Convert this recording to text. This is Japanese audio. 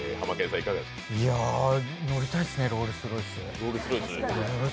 乗りたいっすね、ロールスロイス。